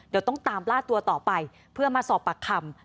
เดี๋ยวต้องตามล่าตัวต่อไปเพื่อมาสอบปากคำ